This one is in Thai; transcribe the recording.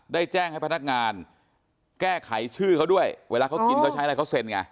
ได้แจ้งให้พนักงานแก้ไขชื่อเขาด้วยเวลาเขากินเขาใช้อะไรเขาเซ็นไง